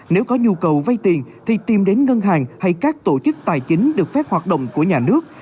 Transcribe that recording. nếu có nhu cầu vay tiền thì tìm đến ngân hàng hay các tổ chức tài chính được phép hoạt động của nhà nước